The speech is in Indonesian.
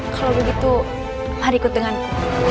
kalau begitu mari ikut denganku